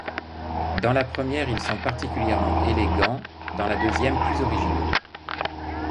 Dans la première ils sont particulièrement élégants, dans la deuxième plus originaux.